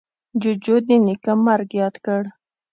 جوجو د نیکه مرگ ياد کړ.